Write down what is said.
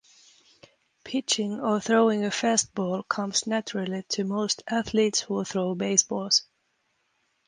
Pitching or throwing a fastball "comes naturally" to most athletes who throw baseballs.